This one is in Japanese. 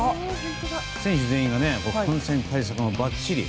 選手全員が感染対策もばっちり。